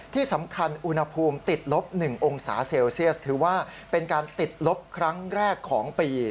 ที่สำคัญอุณหภูมิติดลบ๑องศาเซลเซียสถือว่าเป็นการติดลบครั้งแรกของปี